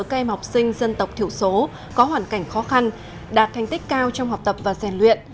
các em học sinh dân tộc thiểu số có hoàn cảnh khó khăn đạt thành tích cao trong học tập và rèn luyện